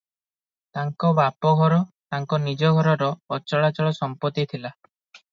ତାଙ୍କ ବାପା ଘର ତାଙ୍କ ନିଜ ଘରର ଅଚଳାଚଳ ସମ୍ପତ୍ତି ଥିଲା ।